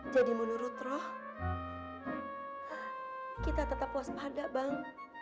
jadi menurut roh kita tetap puas pada bang